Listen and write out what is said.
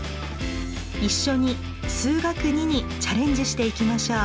一緒に「数学Ⅱ」にチャレンジしていきましょう。